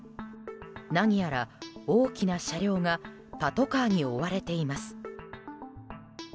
何やら大きな車両がパトカーに追われています。